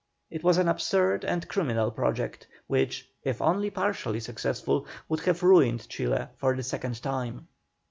It was an absurd and criminal project which, if only partially successful, would have ruined Chile for the second time.